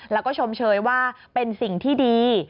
แล้วก็ชมเชยว่าเป็นสิ่งที่ดี